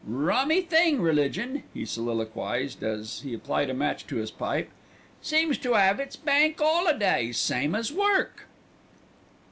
Rummy thing, religion," he soliloquised, as he applied a match to his pipe; "seems to 'ave its Bank 'Olidays, same as work."